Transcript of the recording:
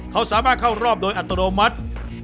เขาสามารถเข้ารอบโดยอัตโนมัติ